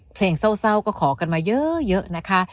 เพลงเศร้าก็ขอกันมาเยอะนะคะ